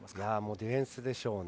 ディフェンスでしょうね。